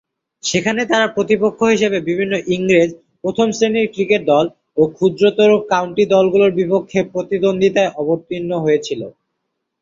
সেখানে তারা প্রতিপক্ষ হিসেবে বিভিন্ন ইংরেজ প্রথম-শ্রেণীর ক্রিকেট দল ও ক্ষুদ্রতর কাউন্টি দলগুলোর বিপক্ষে প্রতিদ্বন্দ্বিতায় অবতীর্ণ হয়েছিল।